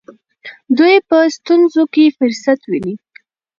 دوی په ستونزو کې فرصت ویني.